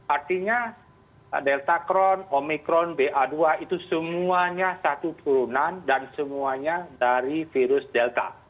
artinya delta cron omikron ba dua itu semuanya satu turunan dan semuanya dari virus delta